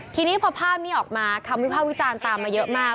ทีนี้พอภาพนี้ออกมาคำวิภาควิจารณ์ตามมาเยอะมาก